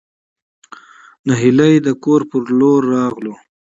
نهېلى د کور په لور راغلو.